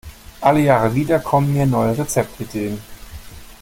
Alle Jahre wieder kommen mir neue Rezeptideen.